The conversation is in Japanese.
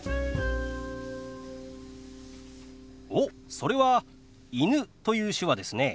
おっそれは「犬」という手話ですね。